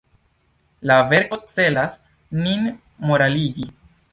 La verko celas nin moraligi.